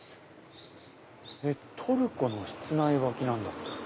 トルコの室内履きなんだって。